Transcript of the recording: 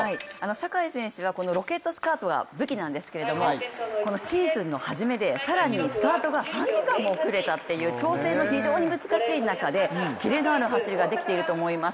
坂井選手はこのロケットスタートが武器なんですがシーズンの初めで、更にスタートが３時間も遅れたという調整の非常に難しい中でキレのある走りができていると思います。